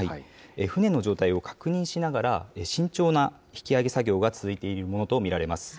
船の状態を確認しながら、慎重な引き揚げ作業が続いているものと見られます。